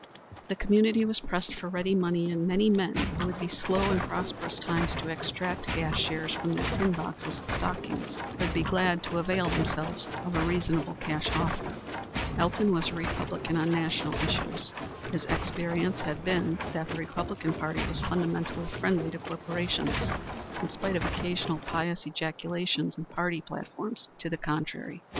The community was pressed for ready money, and many men who would be slow in prosperous times to extract gas shares from their tin boxes and stockings would be glad to avail themselves of a reasonable cash offer. Elton was a Republican on national issues. His experience had been that the Republican Party was fundamentally friendly to corporations, in spite of occasional pious ejaculations in party platforms to the contrary.